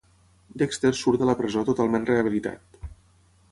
Dexter surt de la presó totalment rehabilitat.